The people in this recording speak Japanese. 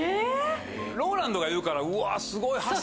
ＲＯＬＡＮＤが言うからうわっすごい。